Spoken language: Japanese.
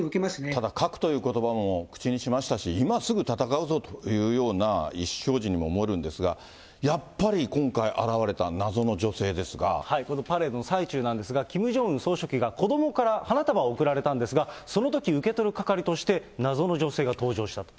ただ、核ということばも口にしましたし、今すぐ戦うぞというような意志表示にも思えるんですが、やっぱりこのパレードの最中なんですが、キム・ジョンウン総書記が子どもから花束を贈られたんですが、そのとき受け取る係として、謎の女性が登場したと。